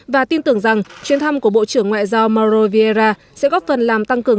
và tin tưởng rằng chuyến thăm của bộ trưởng ngoại giao mauro vieira sẽ góp phần làm tăng cường